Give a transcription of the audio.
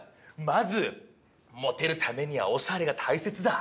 まずモテるためにはオシャレが大切だ。